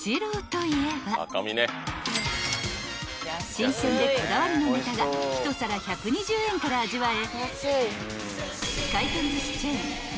［新鮮でこだわりのネタが１皿１２０円から味わえ］